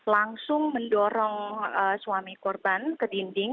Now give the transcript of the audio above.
langsung mendorong suami korban ke dinding membenturkan kepala dan menutupi pintunya